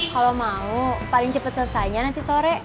kalau mau paling cepat selesainya nanti sore